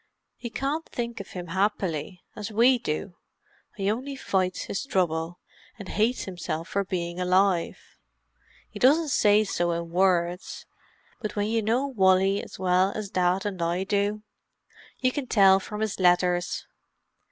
He can't think of him happily, as we do; he only fights his trouble, and hates himself for being alive. He doesn't say so in words, but when you know Wally as well as Dad and I do, you can tell from his letters.